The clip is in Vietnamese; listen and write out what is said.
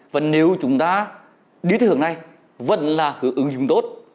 và nếu chúng ta đi theo hướng này vẫn là hướng ứng dụng tốt